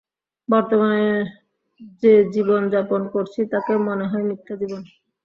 বর্তমানে যে জীবন যাপন করছি, তাকে মনে হয় মিথ্যা জীবন।